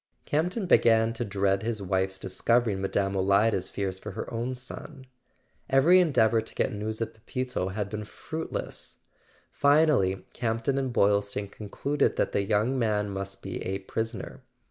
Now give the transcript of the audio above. .. Campton began to dread his wife's discovering Mme. Olida's fears for her own son. Every endeavour to get news of Pepito had been fruitless; finally Campton and Boylston concluded that the young man must be a prisoner.